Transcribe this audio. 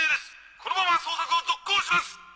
このまま捜索を続行します！